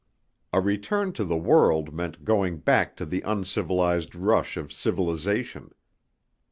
A return to the world meant going back to the uncivilized rush of civilization.